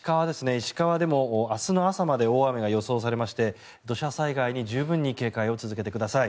石川でも明日の朝まで大雨が予想されまして土砂災害に十分に警戒を続けてください。